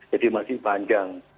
jadi masih panjang